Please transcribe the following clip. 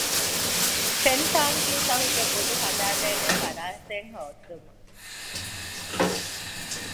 ފެންތާނގީތަކުގެ ބުޑު ހަދައިދޭނެ ފަރާތެއް ހޯދުމަށް